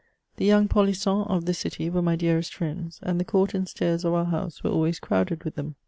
The yoim^ polissons of the city were my dearest Mends, and the court and stairs of our house were always crowded with them.